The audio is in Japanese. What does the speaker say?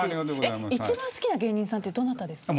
一番好きな芸人さんってどなたですか。